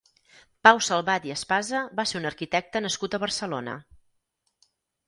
Pau Salvat i Espasa va ser un arquitecte nascut a Barcelona.